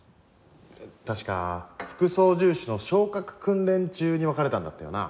確か副操縦士の昇格訓練中に別れたんだったよな。